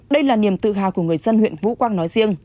đây là niềm tự hào của người dân huyện vũ quang nói riêng